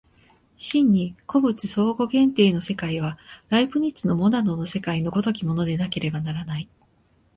真に個物相互限定の世界は、ライプニッツのモナドの世界の如きものでなければならない。